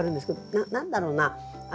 何だろうな？